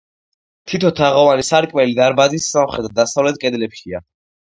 თითო თაღოვანი სარკმელი დარბაზის სამხრეთ და დასავლეთ კედლებშია.